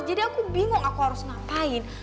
jadi aku bingung aku harus ngapain